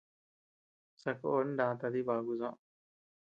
Sakón nata dibaku soʼö.